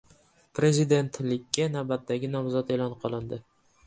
Prezidentlikka navbatdagi nomzod e’lon qilindi